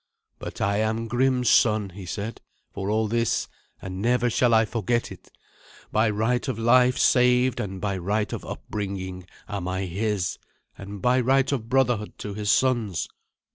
"But I am Grim's son," he said, "for all this, and never shall I forget it. By right of life saved, and by right of upbringing, am I his, and by right of brotherhood to his sons.